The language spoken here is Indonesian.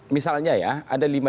misalnya ya ada lima